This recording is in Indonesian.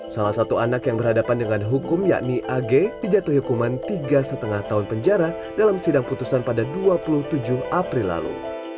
salah satu anak yang berhadapan dengan hukum yakni ag dijatuhi hukuman tiga lima tahun penjara dalam sidang putusan pada dua puluh tujuh april lalu